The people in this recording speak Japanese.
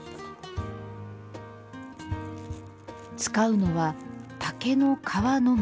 使うのは竹の皮のみ。